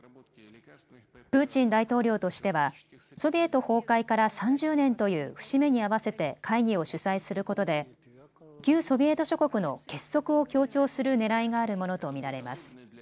プーチン大統領としてはソビエト崩壊から３０年という節目に合わせて会議を主催することで旧ソビエト諸国の結束を強調するねらいがあるものと見られます。